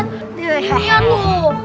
nih lihat tuh